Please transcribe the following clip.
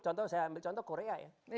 contoh saya ambil contoh korea ya